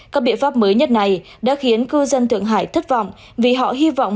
các biện pháp mới nhất này đã khiến cư dân thượng hải thất vọng vì họ hy vọng